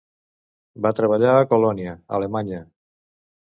Va treballar a Colònia, Alemanya.